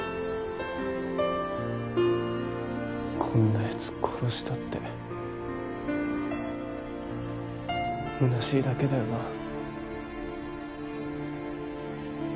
こんな奴殺したって虚しいだけだよな。